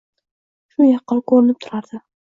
Shu yaqqol ko‘rinib turardi.